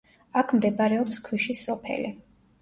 აქ მდებარეობს ქვიშის სოფელი.